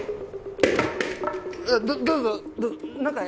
どどうぞ中へ！